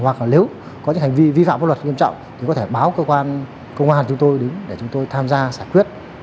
hoặc là nếu có những hành vi vi phạm pháp luật nghiêm trọng thì có thể báo cơ quan công an chúng tôi đến để chúng tôi tham gia giải quyết